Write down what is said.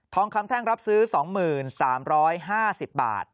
คำแท่งรับซื้อ๒๓๕๐บาท